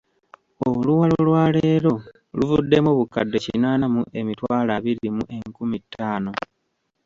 Oluwalo lwaleero luvuddemu obukadde kinaana mu emitwalo abiri mu enkumi ttaano.